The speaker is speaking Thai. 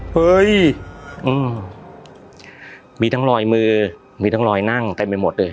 เฮ้ยมีทั้งรอยมือมีทั้งรอยนั่งเต็มไปหมดเลย